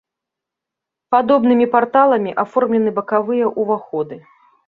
Падобнымі парталамі аформлены бакавыя ўваходы.